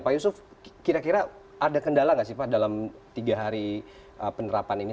pak yusuf kira kira ada kendala nggak sih pak dalam tiga hari penerapan ini